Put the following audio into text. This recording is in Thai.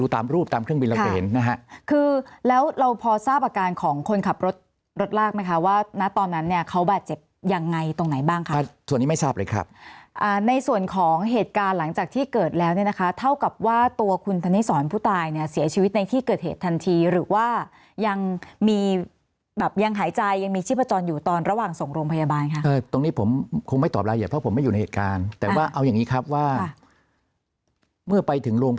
ทราบอาการของคนขับรถรถลากไหมคะว่าตอนนั้นเนี่ยเขาแบบเจ็บยังไงตรงไหนบ้างครับส่วนนี้ไม่ทราบเลยครับในส่วนของเหตุการณ์หลังจากที่เกิดแล้วเนี่ยนะคะเท่ากับว่าตัวคุณธนิสรผู้ตายเนี่ยเสียชีวิตในที่เกิดเหตุทันทีหรือว่ายังมีแบบยังหายใจยังมีชิ้นประจอนอยู่ตอนระหว่างส่งโรงพยาบาลตรงน